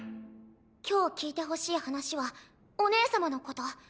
今日聞いてほしい話はお姉様のこと。